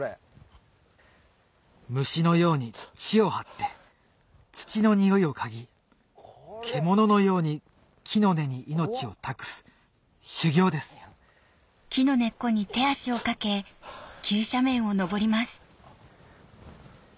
虫のように地をはって土のにおいを嗅ぎ獣のように木の根に命を託す修行ですよっとハァハァ。